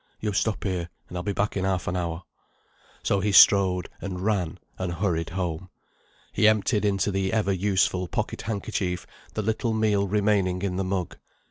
"Yo stop here, and I'll be back in half an hour." So he strode, and ran, and hurried home. He emptied into the ever useful pocket handkerchief the little meal remaining in the mug.